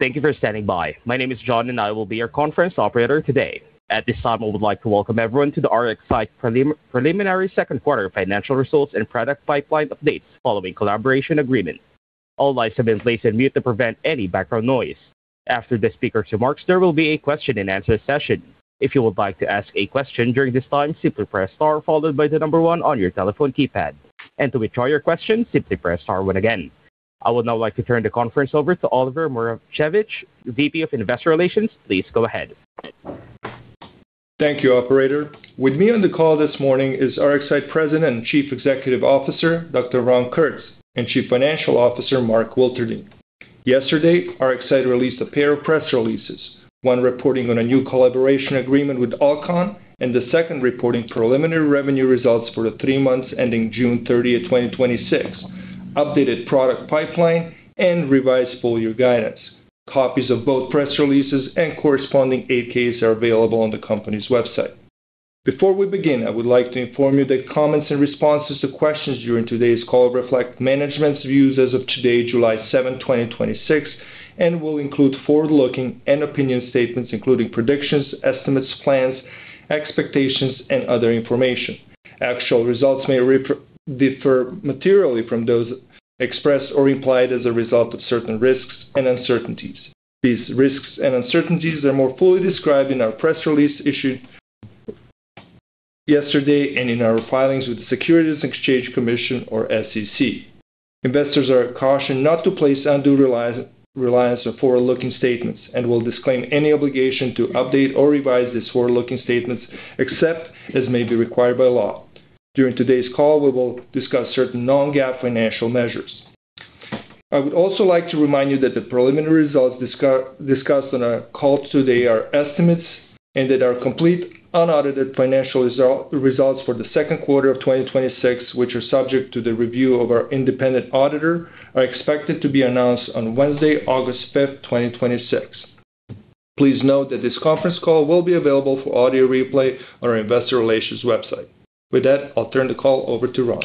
Thank you for standing by. My name is John. I will be your conference operator today. At this time, I would like to welcome everyone to the RxSight Preliminary Second Quarter Financial Results and Product Pipeline Updates following collaboration agreement. All lines have been placed on mute to prevent any background noise. After the speaker's remarks, there will be a question-and-answer session. If you would like to ask a question during this time, simply press star followed by the number one on your telephone keypad. To withdraw your question, simply press star one again. I would now like to turn the conference over to Oliver Moravcevic, VP of Investor Relations. Please go ahead. Thank you, operator. With me on the call this morning is RxSight President and Chief Executive Officer, Dr. Ron Kurtz, and Chief Financial Officer, Mark Wilterding. Yesterday, RxSight released a pair of press releases, one reporting on a new collaboration agreement with Alcon, and the second reporting preliminary revenue results for the three months ending June 30th, 2026, updated product pipeline, and revised full-year guidance. Copies of both press releases and corresponding 8-Ks are available on the company's website. Before we begin, I would like to inform you that comments and responses to questions during today's call reflect management's views as of today, July 7th, 2026, and will include forward-looking and opinion statements, including predictions, estimates, plans, expectations, and other information. Actual results may differ materially from those expressed or implied as a result of certain risks and uncertainties. These risks and uncertainties are more fully described in our press release issued yesterday and in our filings with the Securities and Exchange Commission or SEC. Investors are cautioned not to place undue reliance on forward-looking statements and will disclaim any obligation to update or revise these forward-looking statements except as may be required by law. During today's call, we will discuss certain non-GAAP financial measures. I would also like to remind you that the preliminary results discussed on our call today are estimates and that our complete, unaudited financial results for the second quarter of 2026, which are subject to the review of our independent auditor, are expected to be announced on Wednesday, August 5th, 2026. Please note that this conference call will be available for audio replay on our investor relations website. With that, I'll turn the call over to Ron.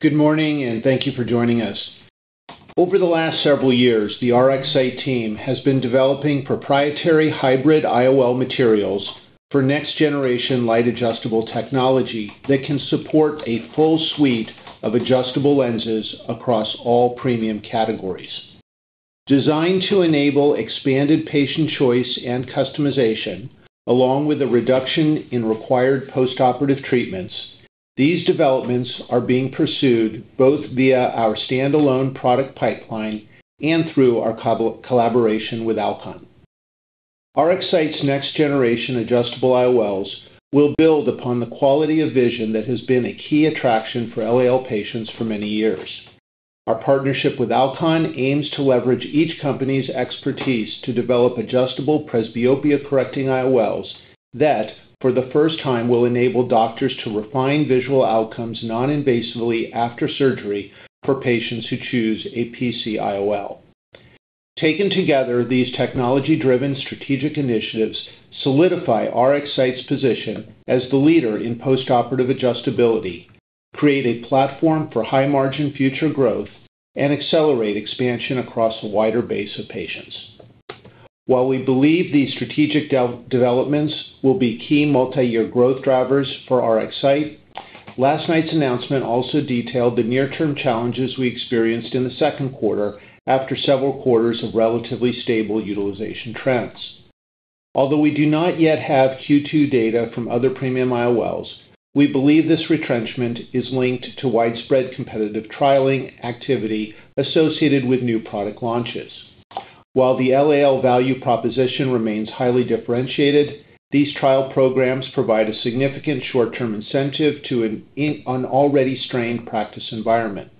Good morning. Thank you for joining us. Over the last several years, the RxSight team has been developing proprietary hybrid IOL materials for next-generation light-adjustable technology that can support a full suite of adjustable lenses across all premium categories. Designed to enable expanded patient choice and customization, along with a reduction in required postoperative treatments, these developments are being pursued both via our standalone product pipeline and through our collaboration with Alcon. RxSight's next-generation adjustable IOLs will build upon the quality of vision that has been a key attraction for LAL patients for many years. Our partnership with Alcon aims to leverage each company's expertise to develop adjustable presbyopia-correcting IOLs that, for the first time, will enable doctors to refine visual outcomes noninvasively after surgery for patients who choose a PC IOL. Taken together, these technology-driven strategic initiatives solidify RxSight's position as the leader in postoperative adjustability, create a platform for high-margin future growth, and accelerate expansion across a wider base of patients. While we believe these strategic developments will be key multi-year growth drivers for RxSight, last night's announcement also detailed the near-term challenges we experienced in the second quarter after several quarters of relatively stable utilization trends. Although we do not yet have Q2 data from other premium IOLs, we believe this retrenchment is linked to widespread competitive trialing activity associated with new product launches. While the LAL value proposition remains highly differentiated, these trial programs provide a significant short-term incentive to an already strained practice environment.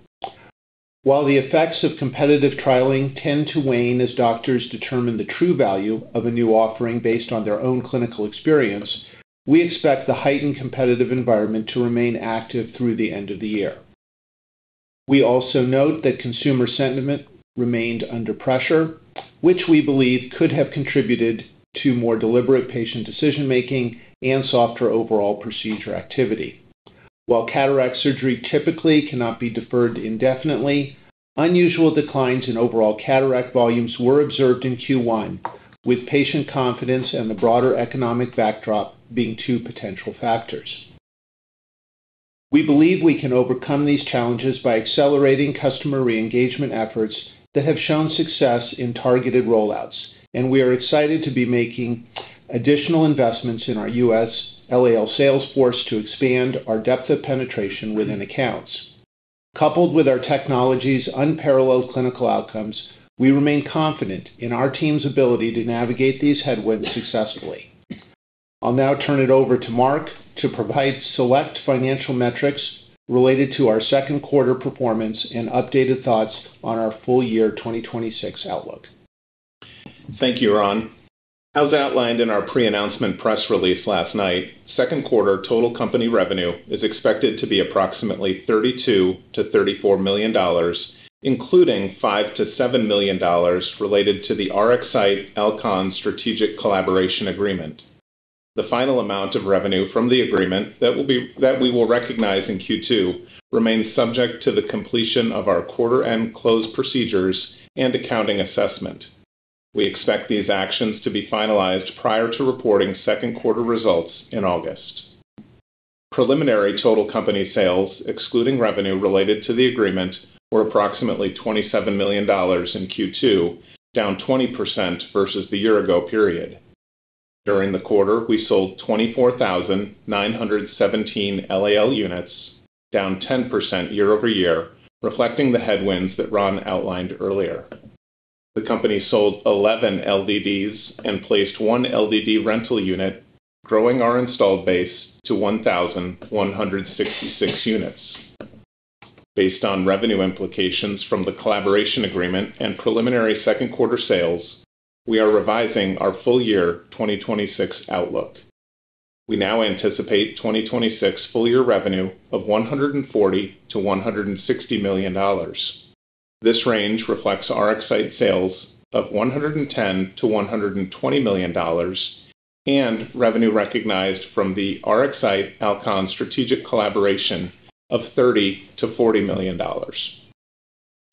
While the effects of competitive trialing tend to wane as doctors determine the true value of a new offering based on their own clinical experience, we expect the heightened competitive environment to remain active through the end of the year. We also note that consumer sentiment remained under pressure, which we believe could have contributed to more deliberate patient decision-making and softer overall procedure activity. While cataract surgery typically cannot be deferred indefinitely, unusual declines in overall cataract volumes were observed in Q1, with patient confidence and the broader economic backdrop being two potential factors. We believe we can overcome these challenges by accelerating customer re-engagement efforts that have shown success in targeted rollouts, and we are excited to be making additional investments in our U.S. LAL sales force to expand our depth of penetration within accounts. Coupled with our technology's unparalleled clinical outcomes, we remain confident in our team's ability to navigate these headwinds successfully. I'll now turn it over to Mark to provide select financial metrics related to our second quarter performance and updated thoughts on our full-year 2026 outlook. Thank you, Ron. As outlined in our pre-announcement press release last night, second quarter total company revenue is expected to be approximately $32 million-$34 million, including $5 million-$7 million related to the RxSight Alcon strategic collaboration agreement. The final amount of revenue from the agreement that we will recognize in Q2 remains subject to the completion of our quarter-end close procedures and accounting assessment. We expect these actions to be finalized prior to reporting second quarter results in August. Preliminary total company sales, excluding revenue related to the agreement, were approximately $27 million in Q2, down 20% versus the year-ago period. During the quarter, we sold 24,917 LAL units, down 10% year-over-year, reflecting the headwinds that Ron outlined earlier. The company sold 11 LDDs and placed one LDD rental unit, growing our installed base to 1,166 units. Based on revenue implications from the collaboration agreement and preliminary second quarter sales, we are revising our full year 2026 outlook. We now anticipate 2026 full year revenue of $140 million-$160 million. This range reflects RxSight sales of $110 million-$120 million and revenue recognized from the RxSight Alcon strategic collaboration of $30 million-$40 million.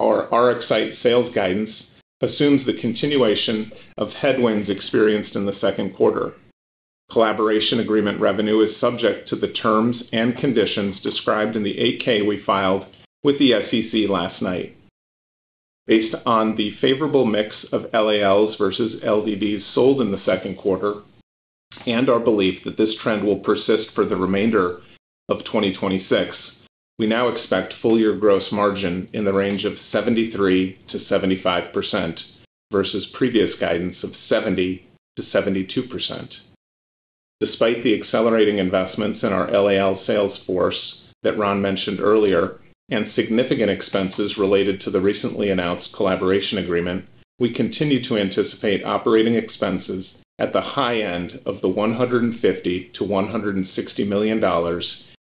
Our RxSight sales guidance assumes the continuation of headwinds experienced in the second quarter. Collaboration agreement revenue is subject to the terms and conditions described in the 8-K we filed with the SEC last night. Based on the favorable mix of LALs versus LDDs sold in the second quarter and our belief that this trend will persist for the remainder of 2026, we now expect full year gross margin in the range of 73%-75% versus previous guidance of 70%-72%. Despite the accelerating investments in our LAL sales force that Ron mentioned earlier, significant expenses related to the recently announced collaboration agreement, we continue to anticipate operating expenses at the high end of the $150 million-$160 million,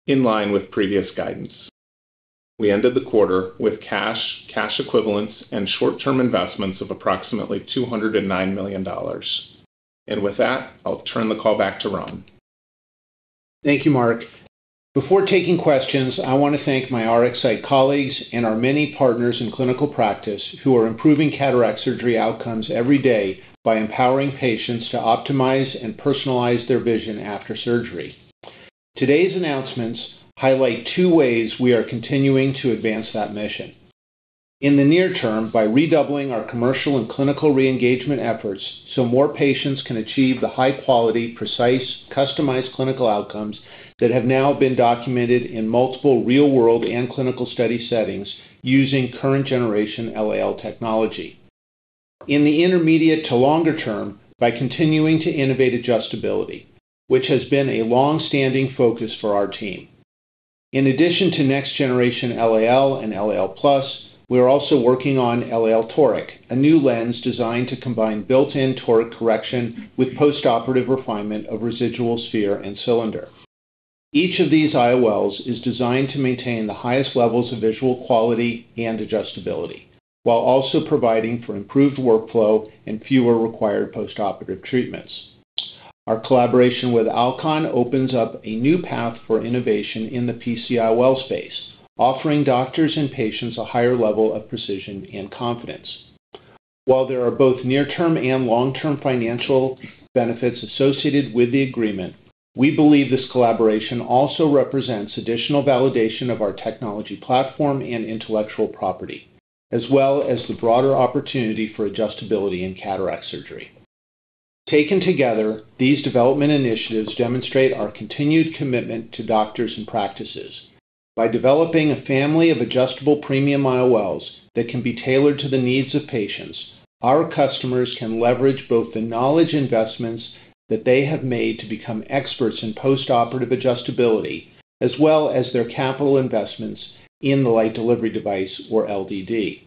in line with previous guidance. We ended the quarter with cash equivalents, and short-term investments of approximately $209 million. With that, I'll turn the call back to Ron. Thank you, Mark. Before taking questions, I want to thank my RxSight colleagues and our many partners in clinical practice who are improving cataract surgery outcomes every day by empowering patients to optimize and personalize their vision after surgery. Today's announcements highlight two ways we are continuing to advance that mission. In the near term, by redoubling our commercial and clinical re-engagement efforts so more patients can achieve the high-quality, precise, customized clinical outcomes that have now been documented in multiple real-world and clinical study settings using current generation LAL technology. In the intermediate to longer term, by continuing to innovate adjustability, which has been a long-standing focus for our team. In addition to next generation LAL and LAL+, we are also working on LAL Toric, a new lens designed to combine built-in Toric correction with postoperative refinement of residual sphere and cylinder. Each of these IOLs is designed to maintain the highest levels of visual quality and adjustability, while also providing for improved workflow and fewer required postoperative treatments. Our collaboration with Alcon opens up a new path for innovation in the PC IOL space, offering doctors and patients a higher level of precision and confidence. While there are both near-term and long-term financial benefits associated with the agreement, we believe this collaboration also represents additional validation of our technology platform and intellectual property, as well as the broader opportunity for adjustability in cataract surgery. Taken together, these development initiatives demonstrate our continued commitment to doctors and practices. By developing a family of adjustable premium IOLs that can be tailored to the needs of patients, our customers can leverage both the knowledge investments that they have made to become experts in postoperative adjustability, as well as their capital investments in the Light Delivery Device, or LDD.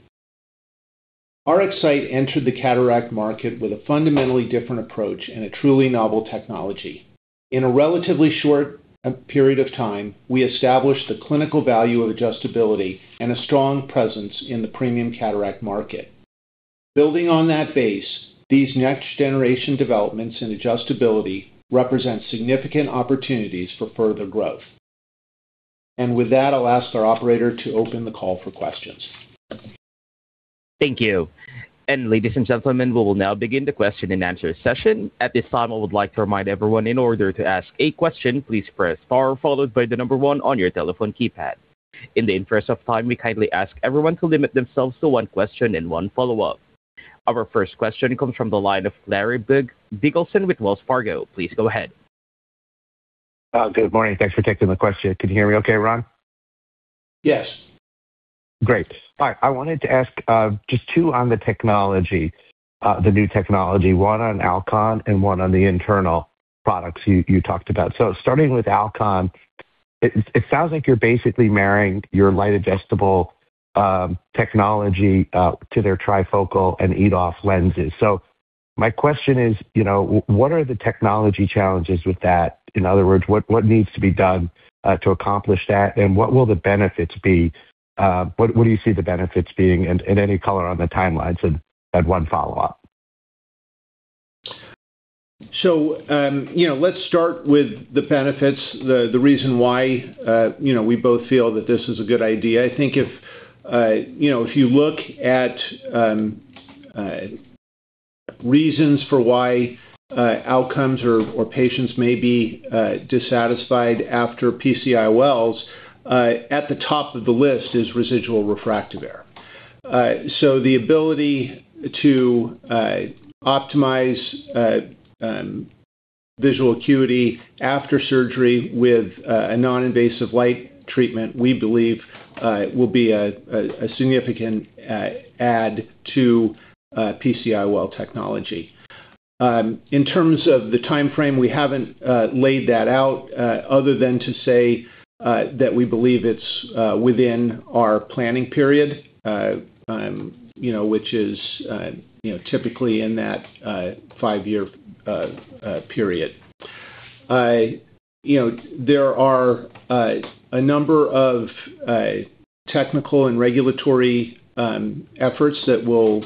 RxSight entered the cataract market with a fundamentally different approach and a truly novel technology. In a relatively short period of time, we established the clinical value of adjustability and a strong presence in the premium cataract market. Building on that base, these next generation developments in adjustability represent significant opportunities for further growth. With that, I'll ask our operator to open the call for questions. Thank you. Ladies and gentlemen, we will now begin the question and answer session. At this time, I would like to remind everyone, in order to ask a question, please press star followed by the number one on your telephone keypad. In the interest of time, we kindly ask everyone to limit themselves to one question and one follow-up. Our first question comes from the line of Larry Biegelsen with Wells Fargo. Please go ahead. Good morning. Thanks for taking the question. Can you hear me okay, Ron? Yes. Great. All right. I wanted to ask just two on the technology, the new technology. One on Alcon and one on the internal products you talked about. Starting with Alcon, it sounds like you're basically marrying your light adjustable technology to their trifocal and EDOF lenses. My question is, what are the technology challenges with that? In other words, what needs to be done to accomplish that, and what do you see the benefits being, and any color on the timelines? And I have one follow-up. Let's start with the benefits, the reason why we both feel that this is a good idea. I think if you look at reasons for why outcomes or patients may be dissatisfied after PC IOLs, at the top of the list is residual refractive error. The ability to optimize visual acuity after surgery with a non-invasive light treatment, we believe will be a significant add to PC IOL technology. In terms of the timeframe, we haven't laid that out other than to say that we believe it's within our planning period, which is typically in that five-year period. There are a number of technical and regulatory efforts that will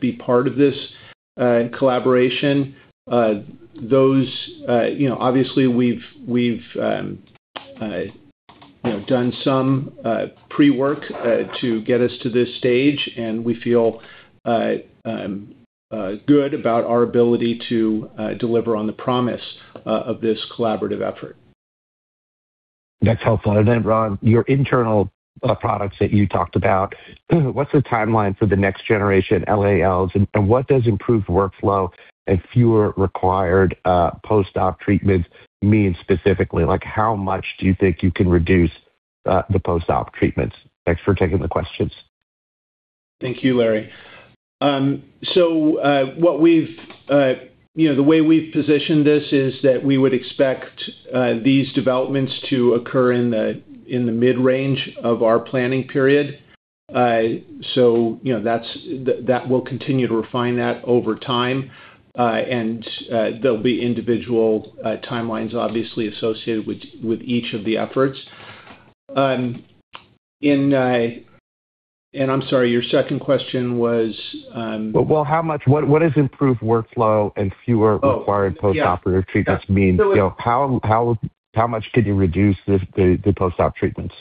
be part of this collaboration. Obviously, we've done some pre-work to get us to this stage, and we feel good about our ability to deliver on the promise of this collaborative effort. That's helpful. Ron, your internal products that you talked about, what's the timeline for the next generation LALs, and what does improved workflow and fewer required post-op treatments mean specifically? How much do you think you can reduce the post-op treatments? Thanks for taking the questions. Thank you, Larry. The way we've positioned this is that we would expect these developments to occur in the mid-range of our planning period. We'll continue to refine that over time, and there'll be individual timelines, obviously, associated with each of the efforts. I'm sorry, your second question was? Well, what does improved workflow and fewer required postoperative treatments mean? How much could you reduce the post-op treatments?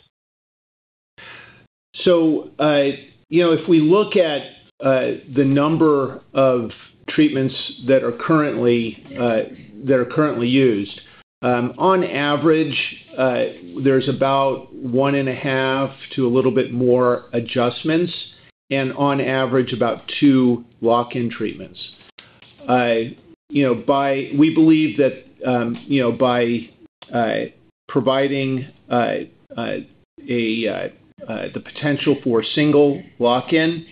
If we look at the number of treatments that are currently used, on average, there's about one and a half to a little bit more adjustments, and on average about two walk-in treatments. We believe that by providing the potential for a single walk-in,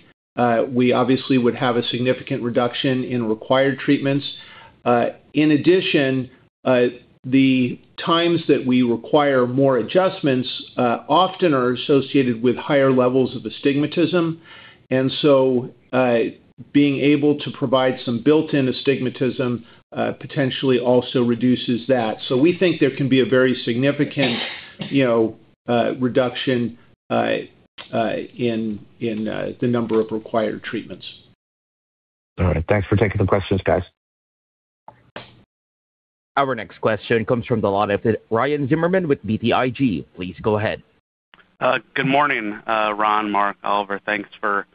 we obviously would have a significant reduction in required treatments. In addition, the times that we require more adjustments often are associated with higher levels of astigmatism, being able to provide some built-in astigmatism potentially also reduces that. We think there can be a very significant reduction in the number of required treatments. All right. Thanks for taking the questions, guys. Our next question comes from the line of Ryan Zimmerman with BTIG. Please go ahead. Good morning Ron, Mark, Oliver. Thanks for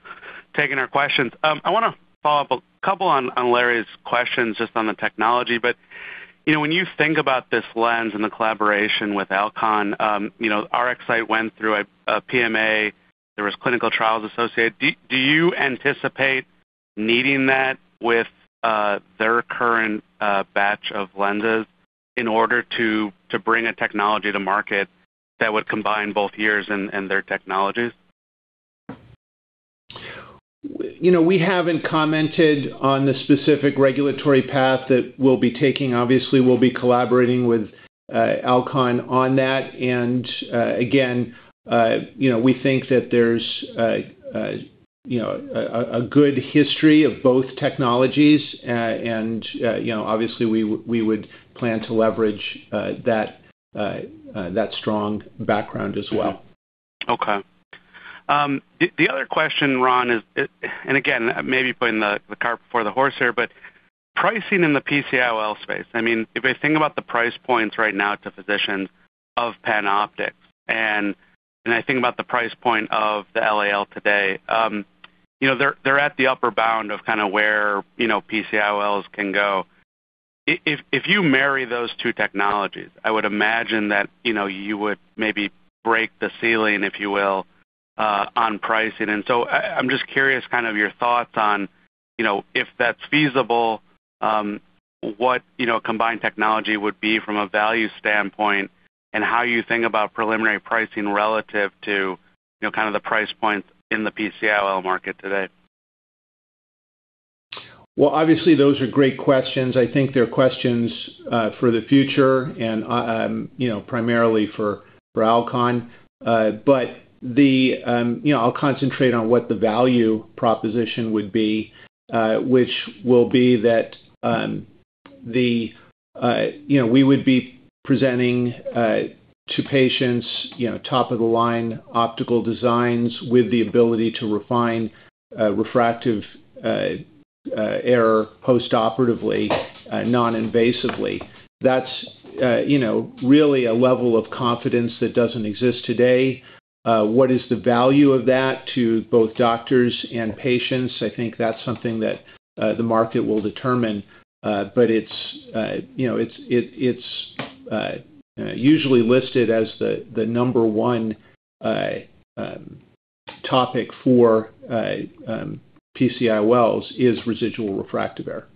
taking our questions. I want to follow up a couple on Larry's questions just on the technology. When you think about this lens and the collaboration with Alcon, RxSight went through a PMA, there was clinical trials associated. Do you anticipate needing that with their current batch of lenses in order to bring a technology to market that would combine both yours and their technologies? We haven't commented on the specific regulatory path that we'll be taking. Obviously, we'll be collaborating with Alcon on that. Again, we think that there's a good history of both technologies, and obviously we would plan to leverage that strong background as well. Okay. The other question, Ron, and again, maybe putting the cart before the horse here, but pricing in the PC IOL space. If I think about the price points right now to physicians of PanOptix, and I think about the price point of the LAL today, they're at the upper bound of kind of where PC IOLs can go. If you marry those two technologies, I would imagine that you would maybe break the ceiling, if you will, on pricing. So I'm just curious kind of your thoughts on if that's feasible, what combined technology would be from a value standpoint, and how you think about preliminary pricing relative to kind of the price points in the PC IOL market today. Well, obviously, those are great questions. I think they're questions for the future and primarily for Alcon. I'll concentrate on what the value proposition would be, which will be that We would be presenting to patients top-of-the-line optical designs with the ability to refine refractive error post-operatively non-invasively. That's really a level of confidence that doesn't exist today. What is the value of that to both doctors and patients? I think that's something that the market will determine. It's usually listed as the number one topic for PC IOLs, is residual refractive error.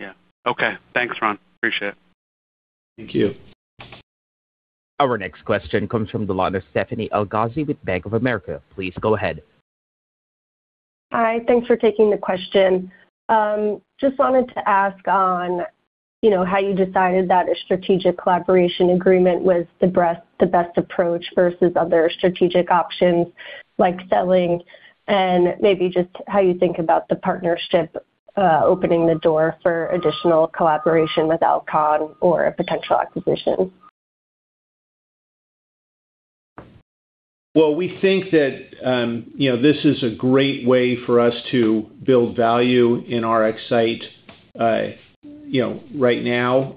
Yeah. Okay. Thanks, Ron. Appreciate it. Thank you. Our next question comes from the line of Stephanie Elghazi with Bank of America. Please go ahead. Hi. Thanks for taking the question. Just wanted to ask on how you decided that a strategic collaboration agreement was the best approach versus other strategic options like selling, and maybe just how you think about the partnership opening the door for additional collaboration with Alcon or a potential acquisition. Well, we think that this is a great way for us to build value in RxSight right now,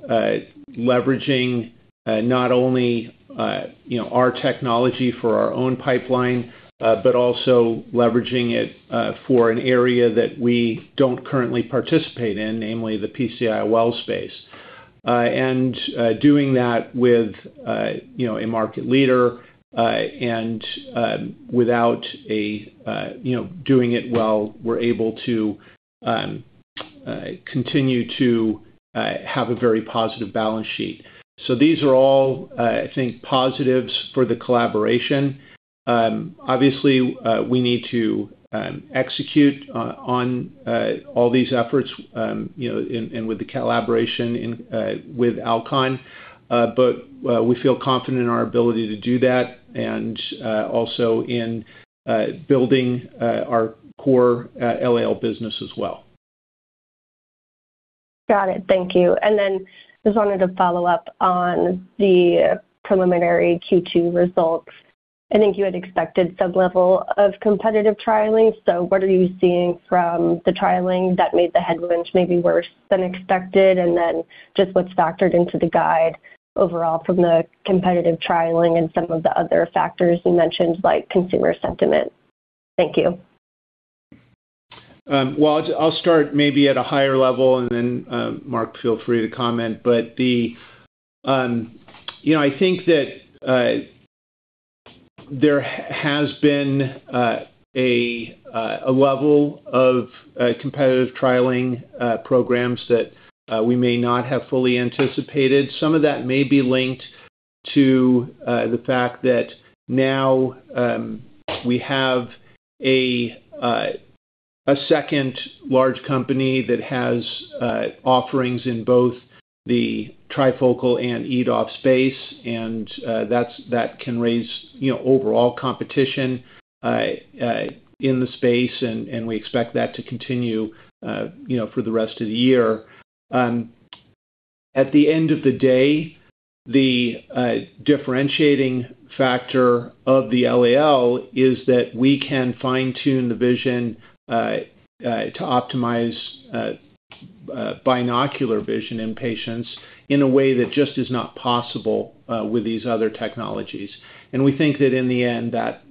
leveraging not only our technology for our own pipeline, but also leveraging it for an area that we don't currently participate in, namely the PC IOL space. Doing that with a market leader and without doing it while we're able to continue to have a very positive balance sheet. These are all, I think, positives for the collaboration. Obviously, we need to execute on all these efforts and with the collaboration with Alcon. We feel confident in our ability to do that and also in building our core LAL business as well. Got it. Thank you. Just wanted to follow up on the preliminary Q2 results. I think you had expected some level of competitive trialing. What are you seeing from the trialing that made the headwinds maybe worse than expected? Just what's factored into the guide overall from the competitive trialing and some of the other factors you mentioned, like consumer sentiment? Thank you. Well, I'll start maybe at a higher level and then Mark, feel free to comment. I think that there has been a level of competitive trialing programs that we may not have fully anticipated. Some of that may be linked to the fact that now we have a second large company that has offerings in both the trifocal and EDOF space, and that can raise overall competition in the space, and we expect that to continue for the rest of the year. At the end of the day, the differentiating factor of the LAL is that we can fine-tune the vision to optimize binocular vision in patients in a way that just is not possible with these other technologies. We think that in the end, that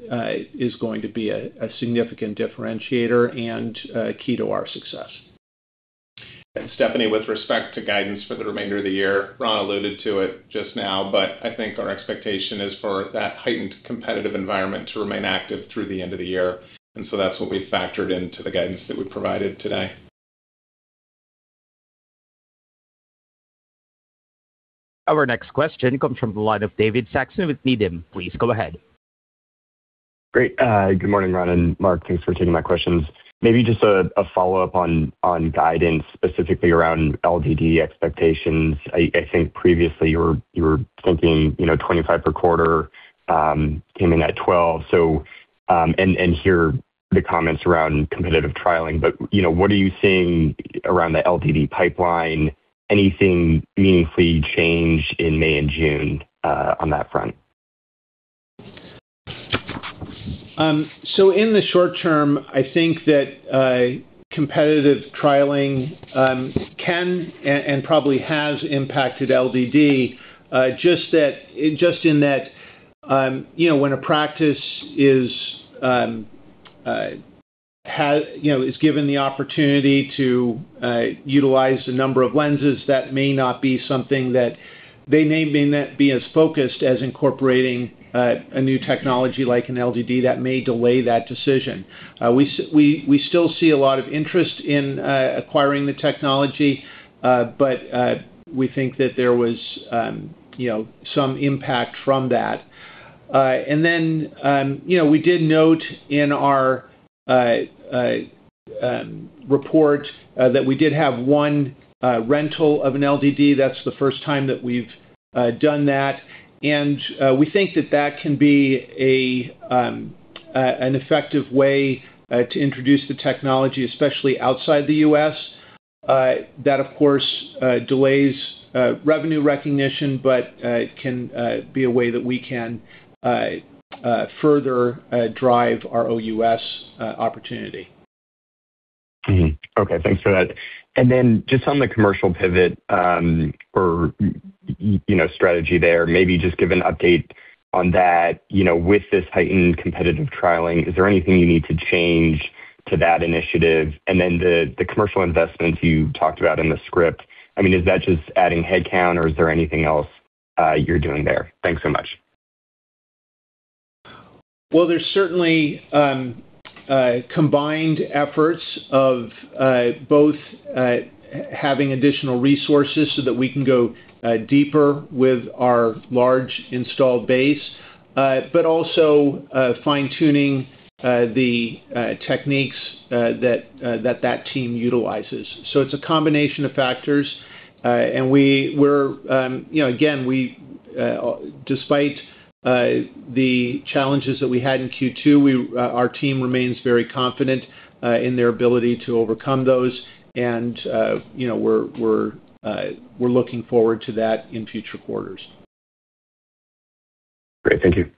is going to be a significant differentiator and key to our success. Stephanie, with respect to guidance for the remainder of the year, Ron alluded to it just now, but I think our expectation is for that heightened competitive environment to remain active through the end of the year. That's what we factored into the guidance that we provided today. Our next question comes from the line of David Saxon with Needham. Please go ahead. Great. Good morning, Ron and Mark. Thanks for taking my questions. Maybe just a follow-up on guidance, specifically around LDD expectations. I think previously you were thinking 25 per quarter, came in at 12. Hear the comments around competitive trialing. What are you seeing around the LDD pipeline? Anything meaningfully change in May and June on that front? In the short term, I think that competitive trialing can and probably has impacted LDD, just in that when a practice is given the opportunity to utilize a number of lenses, that may not be something that they may not be as focused as incorporating a new technology like an LDD. That may delay that decision. We still see a lot of interest in acquiring the technology, but we think that there was some impact from that. We did note in our report that we did have one rental of an LDD. That's the first time that we've done that, and we think that that can be an effective way to introduce the technology, especially outside the U.S. That, of course, delays revenue recognition but can be a way that we can further drive our OUS opportunity. Okay, thanks for that. Just on the commercial pivot or strategy there, maybe just give an update on that. With this heightened competitive trialing, is there anything you need to change to that initiative? The commercial investments you talked about in the script, is that just adding headcount or is there anything else you're doing there? Thanks so much. Well there's certainly combined efforts of both having additional resources so that we can go deeper with our large installed base, but also fine-tuning the techniques that that team utilizes. It's a combination of factors. Again, despite the challenges that we had in Q2, our team remains very confident in their ability to overcome those, and we're looking forward to that in future quarters. Great. Thank you.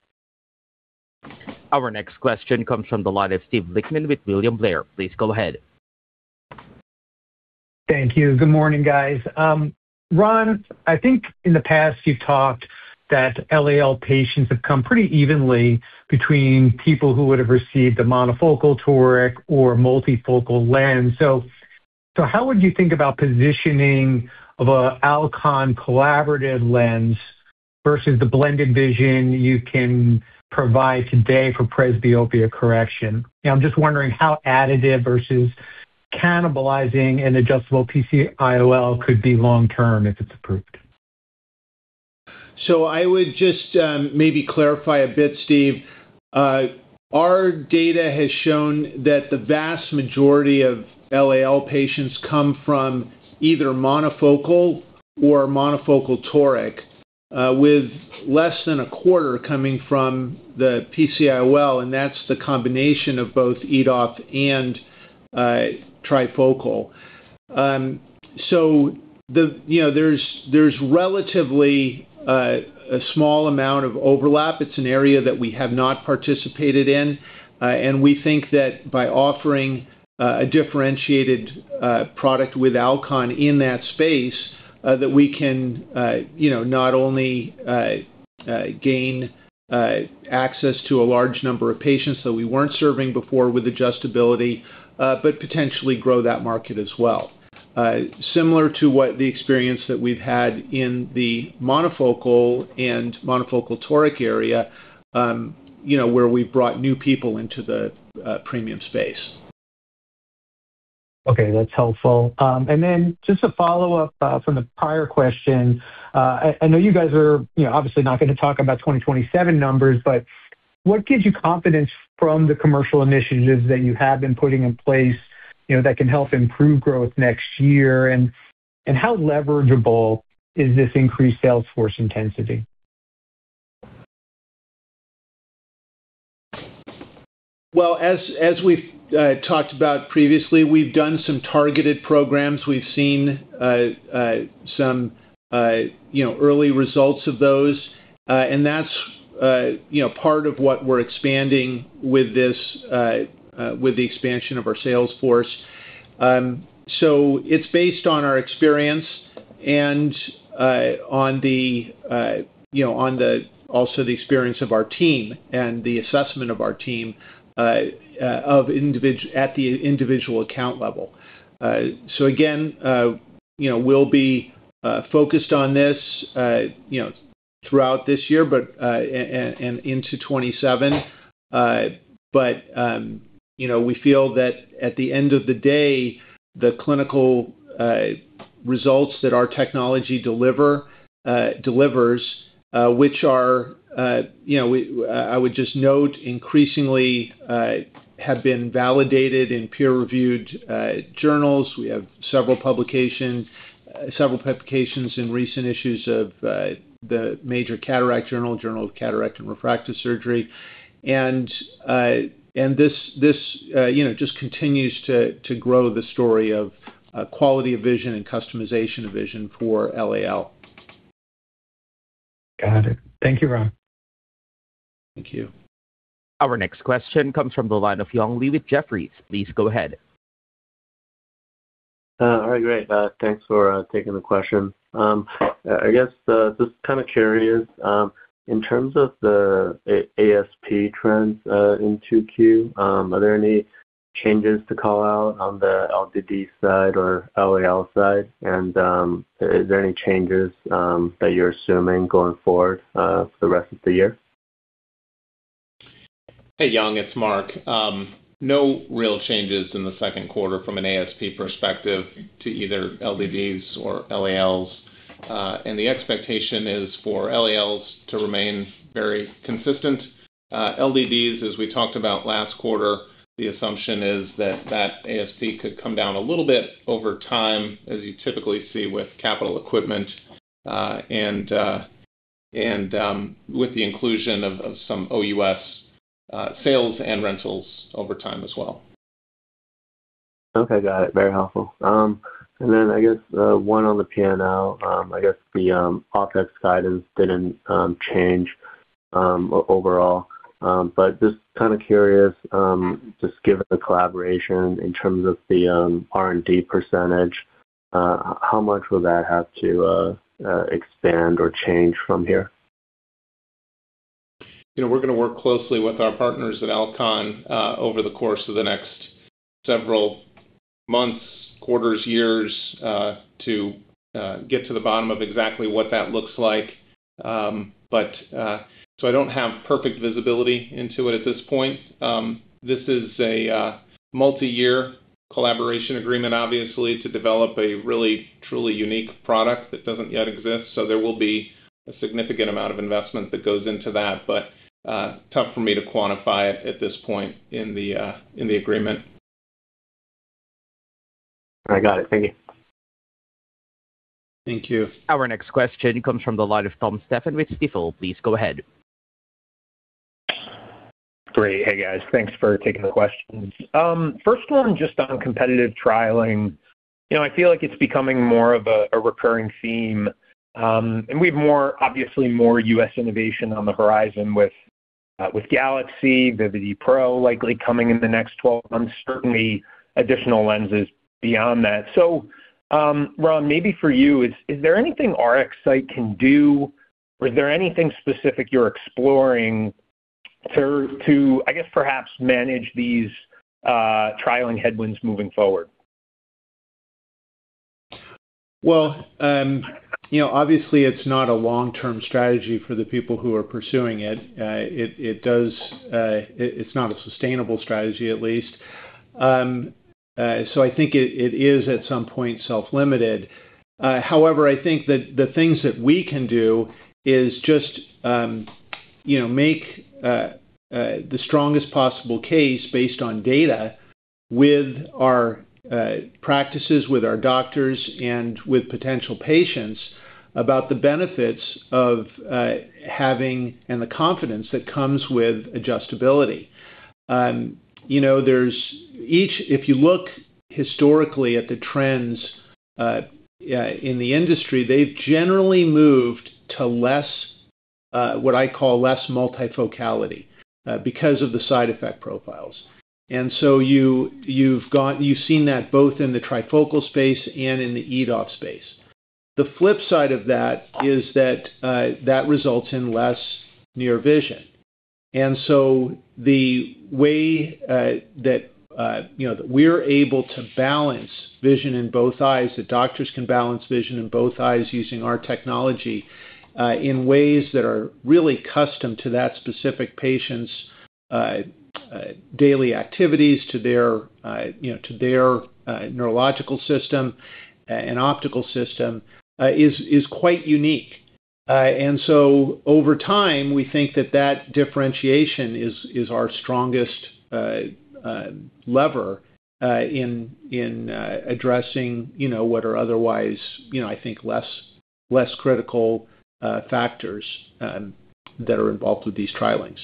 Our next question comes from the line of Steve Lichtman with William Blair. Please go ahead. Thank you. Good morning, guys. Ron, I think in the past you've talked that LAL patients have come pretty evenly between people who would've received a Monofocal Toric or multifocal lens. How would you think about positioning of an Alcon collaborative lens versus the blended vision you can provide today for presbyopia correction? I'm just wondering how additive versus cannibalizing an adjustable PC IOL could be long term if it's approved. I would just maybe clarify a bit, Steve. Our data has shown that the vast majority of LAL patients come from either Monofocal or Monofocal Toric, with less than a quarter coming from the PC IOL, and that's the combination of both EDOF and trifocal. There's relatively a small amount of overlap. It's an area that we have not participated in. We think that by offering a differentiated product with Alcon in that space, that we can not only gain access to a large number of patients that we weren't serving before with adjustability, but potentially grow that market as well. Similar to what the experience that we've had in the Monofocal and Monofocal Toric area, where we've brought new people into the premium space. Okay, that's helpful. Just a follow-up from the prior question. I know you guys are obviously not going to talk about 2027 numbers, what gives you confidence from the commercial initiatives that you have been putting in place that can help improve growth next year? How leverageable is this increased sales force intensity? Well, as we've talked about previously, we've done some targeted programs. We've seen some early results of those. That's part of what we're expanding with the expansion of our sales force. It's based on our experience and on also the experience of our team and the assessment of our team at the individual account level. Again, we'll be focused on this throughout this year and into 2027. We feel that at the end of the day, the clinical results that our technology delivers, which I would just note, increasingly have been validated in peer-reviewed journals. We have several publications in recent issues of the major cataract journal, "Journal of Cataract & Refractive Surgery." This just continues to grow the story of quality of vision and customization of vision for LAL. Got it. Thank you, Ron. Thank you. Our next question comes from the line of Young Li with Jefferies. Please go ahead. All right, great. Thanks for taking the question. I guess, just kind of curious, in terms of the ASP trends in 2Q, are there any changes to call out on the LDD side or LAL side? Are there any changes that you're assuming going forward for the rest of the year? Hey, Young, it's Mark. No real changes in the second quarter from an ASP perspective to either LDDs or LALs. The expectation is for LALs to remain very consistent. LDDs, as we talked about last quarter, the assumption is that that ASP could come down a little bit over time, as you typically see with capital equipment. With the inclusion of some OUS sales and rentals over time as well. Okay, got it. Very helpful. Then I guess one on the P&L, I guess the OpEx guidance didn't change overall. Just kind of curious, just given the collaboration in terms of the R&D percentage, how much will that have to expand or change from here? We're going to work closely with our partners at Alcon over the course of the next several months, quarters, years, to get to the bottom of exactly what that looks like. I don't have perfect visibility into it at this point. This is a multi-year collaboration agreement, obviously, to develop a really, truly unique product that doesn't yet exist. There will be a significant amount of investment that goes into that. Tough for me to quantify it at this point in the agreement. I got it. Thank you. Thank you. Our next question comes from the line of Tom Stephan with Stifel, please go ahead. Great. Hey, guys. Thanks for taking the questions. First one, just on competitive trialing. I feel like it's becoming more of a recurring theme, and we have obviously more U.S. innovation on the horizon with Galaxy, Vivity Pro likely coming in the next 12 months, certainly additional lenses beyond that. Ron, maybe for you, is there anything RxSight can do, or is there anything specific you're exploring to, I guess, perhaps manage these trialing headwinds moving forward? Well, obviously it's not a long-term strategy for the people who are pursuing it. It's not a sustainable strategy, at least. I think it is, at some point, self-limited. However, I think that the things that we can do is just make the strongest possible case based on data with our practices, with our doctors, and with potential patients about the benefits of having, and the confidence that comes with adjustability. If you look historically at the trends in the industry, they've generally moved to what I call less multifocality because of the side effect profiles. You've seen that both in the trifocal space and in the EDOF space. The flip side of that is that results in less near vision. The way that we're able to balance vision in both eyes, that doctors can balance vision in both eyes using our technology in ways that are really custom to that specific patient's daily activities, to their neurological system and optical system is quite unique. Over time, we think that that differentiation is our strongest lever in addressing what are otherwise I think less critical factors that are involved with these trialings.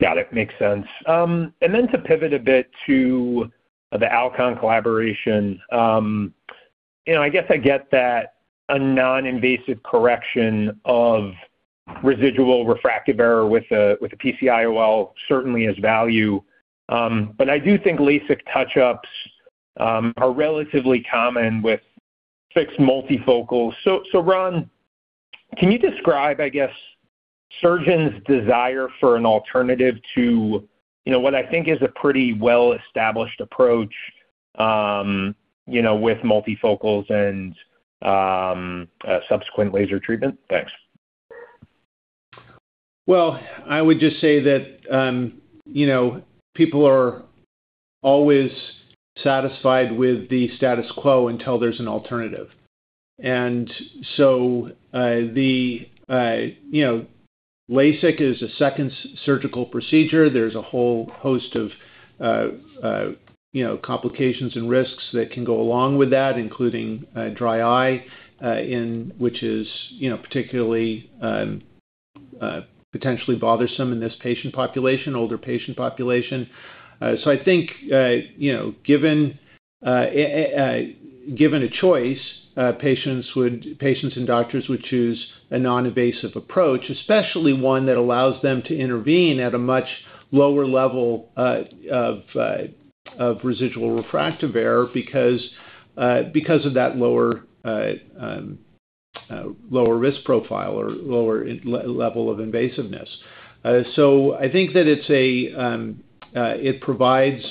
Got it. Makes sense. To pivot a bit to the Alcon collaboration. I guess I get that a non-invasive correction of residual refractive error with a PC IOL certainly has value, but I do think LASIK touch-ups are relatively common with fixed multifocals. Ron, can you describe, I guess, surgeons' desire for an alternative to what I think is a pretty well-established approach with multifocals and subsequent laser treatment? Thanks. Well, I would just say that people are always satisfied with the status quo until there's an alternative. LASIK is a second surgical procedure. There's a whole host of complications and risks that can go along with that, including dry eye, which is particularly potentially bothersome in this patient population, older patient population. I think, given a choice, patients and doctors would choose a non-invasive approach, especially one that allows them to intervene at a much lower level of residual refractive error because of that lower risk profile or lower level of invasiveness. I think that it provides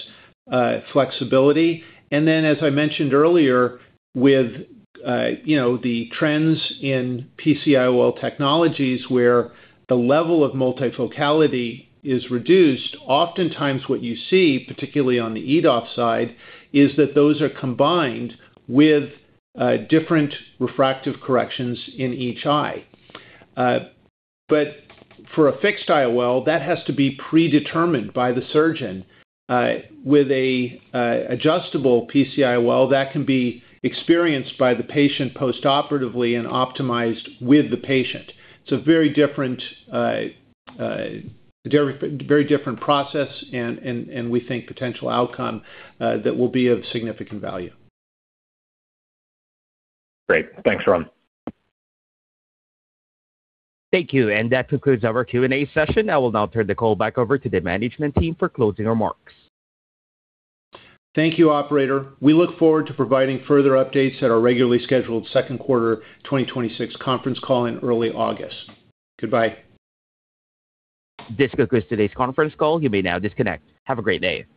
flexibility, and then as I mentioned earlier, with the trends in PC IOL technologies where the level of multifocality is reduced, oftentimes what you see, particularly on the EDOF side, is that those are combined with different refractive corrections in each eye. For a fixed IOL, that has to be predetermined by the surgeon. With a adjustable PC IOL, that can be experienced by the patient post-operatively and optimized with the patient. It's a very different process and we think potential outcome that will be of significant value. Great. Thanks, Ron. Thank you. That concludes our Q&A session. I will now turn the call back over to the management team for closing remarks. Thank you, operator. We look forward to providing further updates at our regularly scheduled second quarter 2026 conference call in early August. Goodbye. This concludes today's conference call. You may now disconnect. Have a great day.